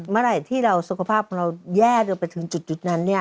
เมื่อไหร่ที่สุขภาพเราแย่ไปถึงจุดนั้นเนี่ย